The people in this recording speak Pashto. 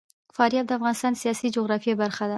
فاریاب د افغانستان د سیاسي جغرافیه برخه ده.